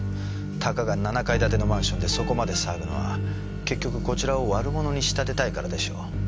たかが７階建てのマンションでそこまで騒ぐのは結局こちらを悪者に仕立てたいからでしょう。